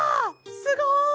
すごい！